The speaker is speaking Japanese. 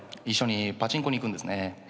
一緒にパチンコに行くんですね。